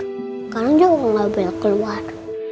sekarang juga gak boleh keluar